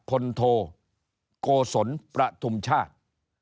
พลโทโกศลประทุมชาติ